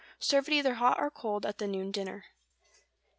Serve it either hot or cold, at the noon dinner.